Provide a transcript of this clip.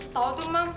tau tuh emang